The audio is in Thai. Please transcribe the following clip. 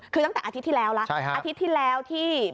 คือตั้งแต่อาทิตย์ที่แล้วละอาทิตย์ที่แล้วที่